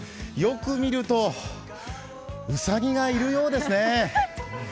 よく見るとうさぎがいるようですね。